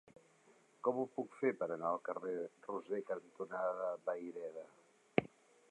Com ho puc fer per anar al carrer Roser cantonada Vayreda?